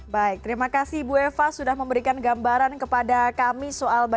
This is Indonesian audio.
baik terima kasih bu eva sudah memberikan gambaran kepada kami soal banjir